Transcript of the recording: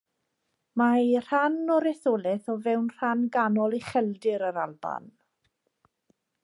Mae rhan o'r etholaeth o fewn rhan ganol Ucheldir yr Alban.